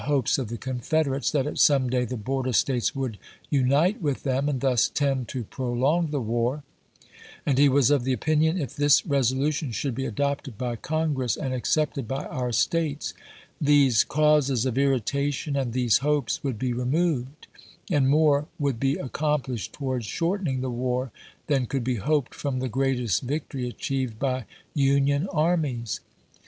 hopes of the Confederates that at some day the border States would unite with them and thus tend to prolong the war ; and he was of the opinion, if this resolution should be adopted by Congress and accepted by our States, these causes of irritation and these hopes would be removed, and more '70uld be accomplished towards shortening the war than could be hoped from the greatest victory achieved by Union armies.